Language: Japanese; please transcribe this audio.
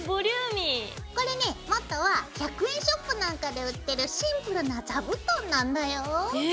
これねもとは１００円ショップなんかで売ってるシンプルな座布団なんだよ。え？